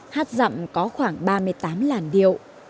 hát giọng có khoảng ba mươi tám làn điệu